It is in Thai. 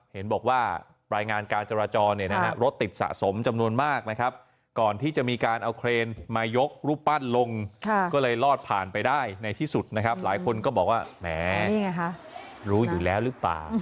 เห็นบอกว่ารายงานการจราจรเนี่ยนะฮะรถติดสะสมจำนวนมากนะครับก่อนที่จะมีการเอาเครนมายกรูปปั้นลงก็เลยรอดผ่านไปได้ในที่สุดนะครับหลายคนก็บอกว่าแหมรู้อยู่แล้วหรือเปล่า